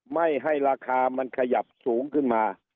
ไม่ให้ราคามันขยับสูงขึ้นมา